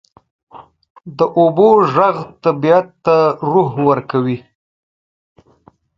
د اوبو ږغ طبیعت ته روح ورکوي.